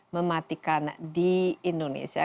mematikan di indonesia